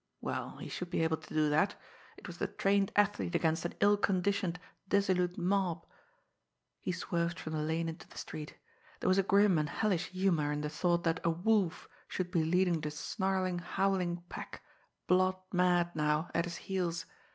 Well, he should be able to do that! It was the trained athlete against an ill conditioned, dissolute mob! He swerved from the lane into the street. There was grim and hellish humour in the thought that a wolf should be leading the snarling, howling pack, blood mad now, at his heels!